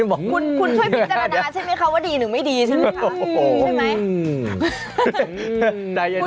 คุณช่วยพิจารณาใช่ไหมคะว่าดีหรือไม่ดีใช่ไหมคะ